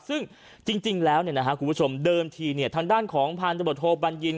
ซึ่งจริงแล้วคุณผู้ชมเดิมทีทางด้านของพันธบทโทบัญญิน